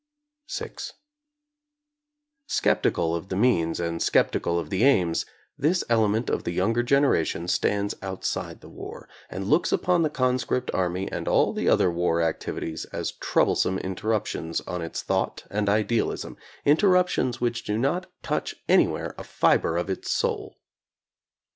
VI Skeptical of the means and skeptical of the aims, this element of the younger generation stands outside the war, and looks upon the conscript army and all the other war activities as troublesome in terruptions on its thought and idealism, interrup tions which do not touch anywhere a fiber of its soul.